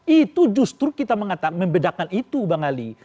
itu justru kita mengatakan membedakan itu bang ali